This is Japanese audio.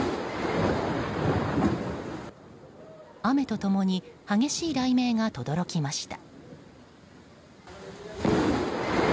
雨と共に激しい雷鳴がとどろきました。